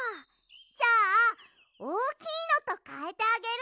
じゃあおおきいのとかえてあげる！